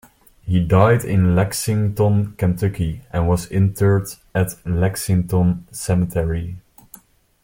He died in Lexington, Kentucky and was interred at Lexington Cemetery.